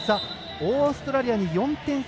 オーストラリアに４点差